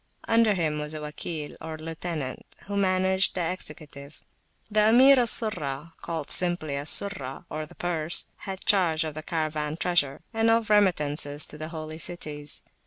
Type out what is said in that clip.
Under him was a Wakil, or lieutenant, who managed the executive. The Emir al Surrahcalled simply Al Surrah, or the Pursehad charge of the Caravan treasure, and of remittances to the Holy Cities.